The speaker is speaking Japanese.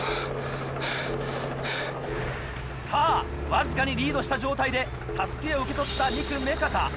さぁわずかにリードした状態で襷を受け取った２区目片。